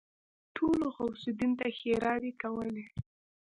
ټولو غوث الدين ته ښېراوې کولې.